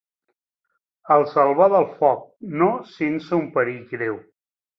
El salvà del foc no sense un perill greu.